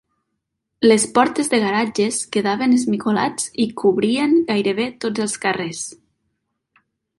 Les portes de garatges quedaven esmicolats i cobrien gairebé tots els carrers.